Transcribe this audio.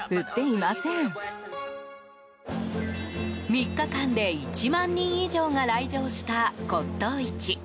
３日間で１万人以上が来場した骨董市。